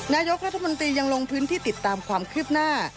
นายกรัฐมนตรียังลงพื้นที่ติดตามความคืบหน้า